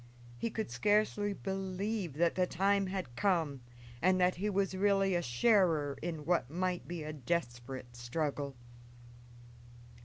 He could scarcely believe that the time had come and that he was really a sharer in what might be a desperate struggle.